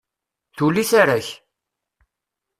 Tuli tara-k!